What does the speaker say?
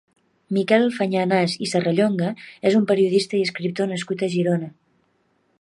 Miquel Fañanàs i Serrallonga és un periodista i escriptor nascut a Girona.